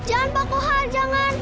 jangan pak kawar jangan